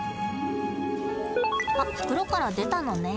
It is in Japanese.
あ袋から出たのね。